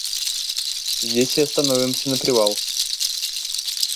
Здесь и остановимся на привал.